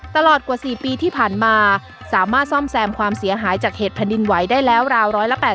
ตลอดกว่า๔ปีที่ผ่านมาสามารถซ่อมแซมความเสียหายจากเหตุแผ่นดินไหวได้แล้วราว๑๘๐